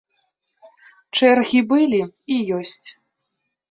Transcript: Чэргі былі і ёсць.